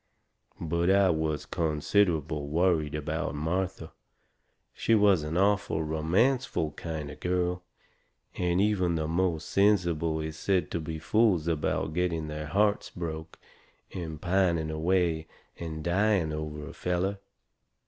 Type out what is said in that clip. But I was considerable worried about Martha. She was an awful romanceful kind of girl. And even the most sensible kind is said to be fools about getting their hearts broke and pining away and dying over a feller.